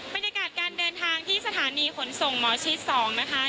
บรรยากาศการเดินทางที่สถานีขนส่งหมอชิด๒นะคะ